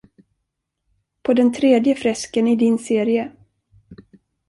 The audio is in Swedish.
På den tredje fresken i din serie.